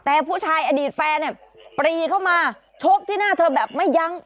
แต่ผู้ชายอดีตแฟนเนี่ยปรีเข้ามาชกที่หน้าเธอแบบไม่ยั้ง